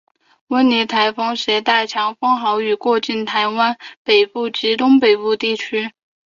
温妮台风挟带强风豪雨过境台湾北部及东北部地区。